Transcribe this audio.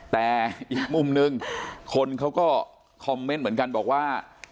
แต่อีกมุมนึงคนเขาก็คอมเมนต์เหมือนกันบอกว่า